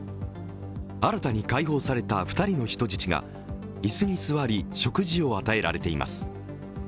新たに解放された２人の人質が椅子に座り食事を与えられています。